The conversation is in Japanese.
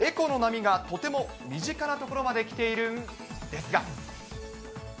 エコの波がとても身近なところまできているんですが。